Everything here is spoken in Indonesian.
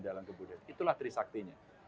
dalam kebudayaan itulah trisaktinya